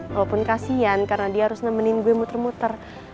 walaupun kasian karena dia harus nemenin gue muter muter